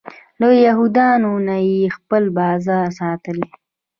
له یهودیانو نه یې خپل بازار ساتلی.